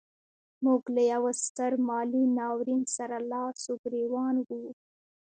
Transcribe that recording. موږ له یوه ستر مالي ناورین سره لاس و ګرېوان وو.